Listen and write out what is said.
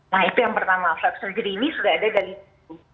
nah itu yang pertama flap surgery ini sudah ada dari dulu